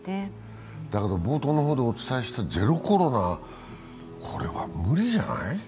だけど冒頭の方でお伝えしたゼロコロナ、これは無理じゃない？